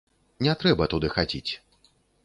Не трэба туды хадзіць.